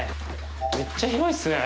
めっちゃ広いですね。